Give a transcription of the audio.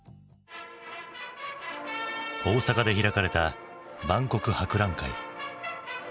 大阪で開かれた万国博覧会。